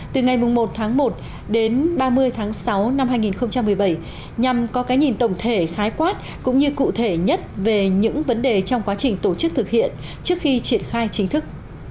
từ ngày một tháng một đến ba mươi tháng sáu năm hai nghìn một mươi bảy nhằm có cái nhìn tổng thể khái quát cũng như cụ thể nhất về những vấn đề trong quá trình tổ chức thực hiện trước khi triển khai chính thức